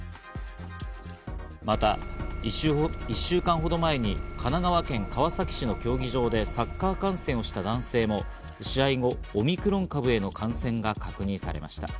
また１週間ほど前に神奈川県川崎市の競技場でサッカー観戦をした男性も試合後、オミクロン株への感染が確認されました。